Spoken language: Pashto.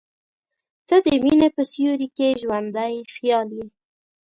• ته د مینې په سیوري کې ژوندی خیال یې.